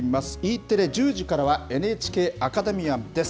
Ｅテレ、１０時からはＮＨＫアカデミアです。